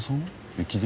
駅伝？